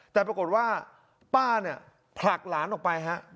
แต่ปรากฏว่าป้าเนี่ยผลักหลานออกไปฮะ